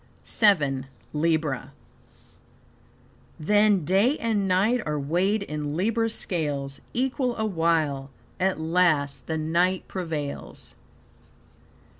VII. Libra "Then day and night are weighed in Libra's scales; Equal awhile, at last the night prevails."